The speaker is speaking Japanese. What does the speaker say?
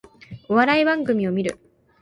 お笑い番組を観る